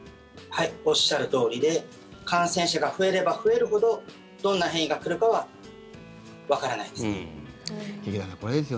おっしゃるとおりで感染者が増えれば増えるほどどんな変異が来るかはわからないです。